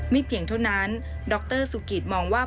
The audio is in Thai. ไม่เพียงเท่านั้นดรสุกิตภูนิษฐ์มองว่า